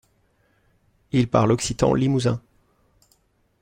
Il parle occitan limousin.